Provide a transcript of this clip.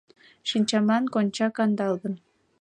Шинчамлан конча кандалгын